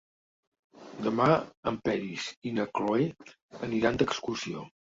Demà en Peris i na Cloè aniran d'excursió.